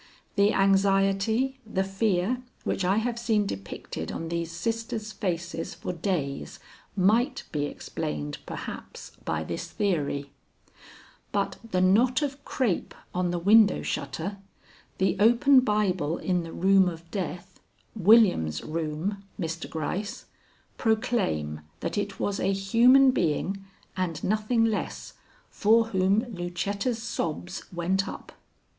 The anxiety, the fear, which I have seen depicted on these sisters' faces for days might be explained perhaps by this theory; but the knot of crape on the window shutter, the open Bible in the room of death William's room, Mr. Gryce, proclaim that it was a human being, and nothing less, for whom Lucetta's sobs went up."